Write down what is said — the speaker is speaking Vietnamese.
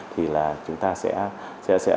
thì là chúng ta sẽ